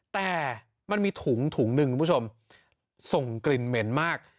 แต่มันมีถุงถุงหนึ่งคุณผู้ชมส่งกลิ่นเหม็นมาก